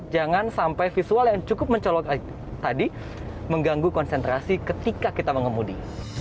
jangan sampai visual yang cukup mencolok tadi mengganggu konsentrasi ketika kita mengemudi